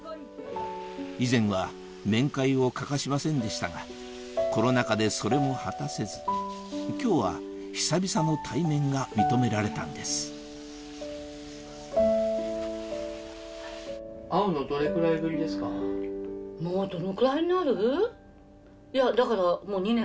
以前は面会を欠かしませんでしたがコロナ禍でそれも果たせず今日は久々の対面が認められたんですいやだから。